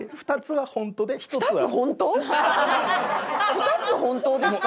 ２つ本当ですか？